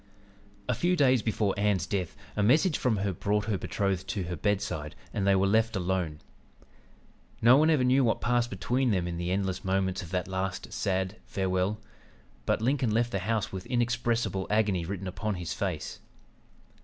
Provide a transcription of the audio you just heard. "A few days before Ann's death a message from her brought her betrothed to her bedside, and they were left alone. No one ever knew what passed between them in the endless moments of that last sad farewell; but Lincoln left the house with inexpressible agony written upon his face.